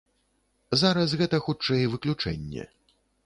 Зараз гэта, хутчэй, выключэнне.